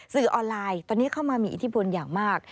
สื่อออนไลน์ตอนนี้เข้ามามีอิทธิพลอย่างมาก